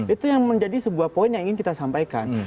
itu yang menjadi sebuah poin yang ingin kita sampaikan